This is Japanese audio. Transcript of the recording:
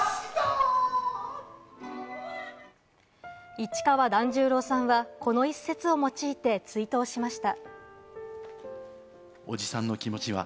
市川團十郎さんはこの一節を用いて追悼しました。